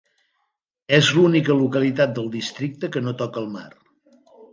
És l'única localitat del districte que no toca al mar.